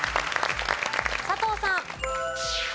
佐藤さん。